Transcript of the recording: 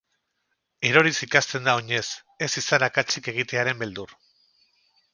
Eroriz ikasten da oinez, ez izan akatsik egitearen beldur.